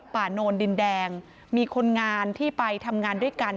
โนนดินแดงมีคนงานที่ไปทำงานด้วยกัน